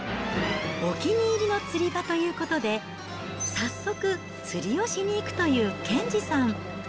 お気に入りの釣り場ということで、早速釣りをしにいくという兼次さん。